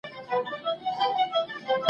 ښځه کولای سي تجارت وکړي.